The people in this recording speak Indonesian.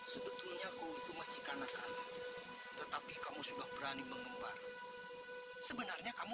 sebetulnya aku itu masih karena kamu tetapi kamu sudah berani mengembar sebenarnya kamu